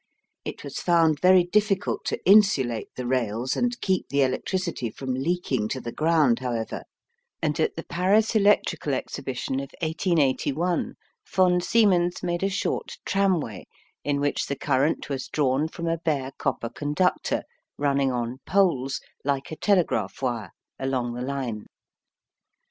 It was found very difficult to insulate the rails, and keep the electricity from leaking to the ground, however, and at the Pans Electrical Exhibition of 1881, von Siemens made a short tramway in which the current was drawn from a bare copper conductor running on poles, like a telegraph wire, along the line.